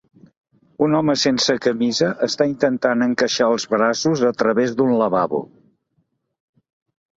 Un home sense camisa està intentant encaixar els braços a través d'un lavabo.